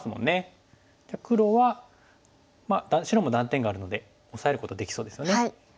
じゃあ黒は白も断点があるのでオサえることできそうですよね。